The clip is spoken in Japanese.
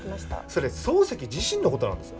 それ漱石自身の事なんですよ。